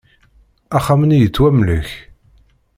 Axxam-nni yettwamlek.